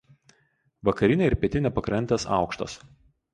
Vakarinė ir pietinė pakrantės aukštos.